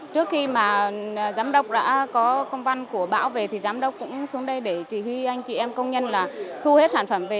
trước khi mà giám đốc đã có công văn của bão về thì giám đốc cũng xuống đây để chỉ huy anh chị em công nhân là thu hết sản phẩm về